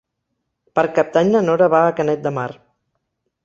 Per Cap d'Any na Nora va a Canet de Mar.